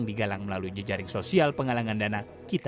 dan memiliki kekuatan yang sangat menarik